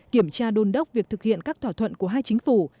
kiểm tra đôn đốc việc thực hiện các thỏa thuận của hai chính phủ